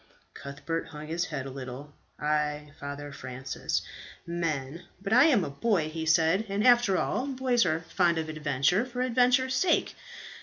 Cuthbert hung his head a little. "Ay, Father Francis, men; but I am a boy," he said, "and after all, boys are fond of adventure for adventure's sake.